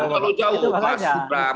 terlalu jauh pak sudra